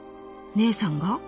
姐さんが？